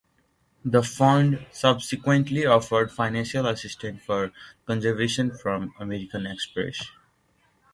The Fund subsequently offered financial assistance for conservation from American Express.